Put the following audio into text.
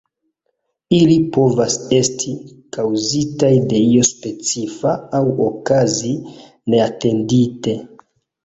Ili povas esti kaŭzitaj de io specifa aŭ okazi neatendite.